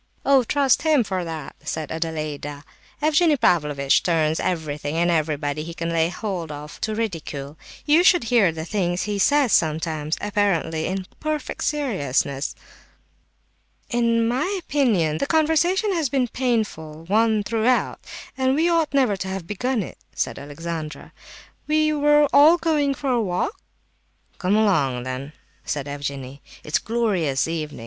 "Oh, trust him for that!" said Adelaida. "Evgenie Pavlovitch turns everything and everybody he can lay hold of to ridicule. You should hear the things he says sometimes, apparently in perfect seriousness." "In my opinion the conversation has been a painful one throughout, and we ought never to have begun it," said Alexandra. "We were all going for a walk—" "Come along then," said Evgenie; "it's a glorious evening.